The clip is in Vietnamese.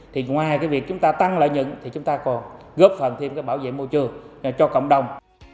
thì ngoài cái việc chúng ta tăng lợi nhận thì chúng ta còn góp phần thêm cái bảo vệ môi trường cho cộng đồng